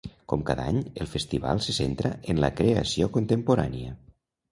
Com cada any, el festival se centra en la creació contemporània.